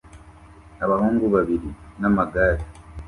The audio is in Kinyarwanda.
Abahungu babiri n'amagare